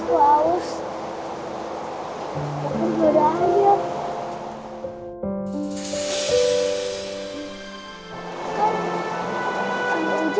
baru aku pulang